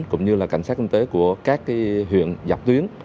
cũng như là cảnh sát kinh tế của các huyện dọc tuyến